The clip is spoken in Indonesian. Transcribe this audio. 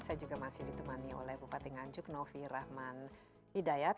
saya juga masih ditemani oleh bupati nganjuk novi rahman hidayat